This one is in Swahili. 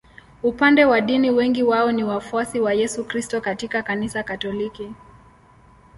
Upande wa dini wengi wao ni wafuasi wa Yesu Kristo katika Kanisa Katoliki.